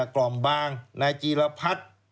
กล่อมบางนายจีรพัฒน์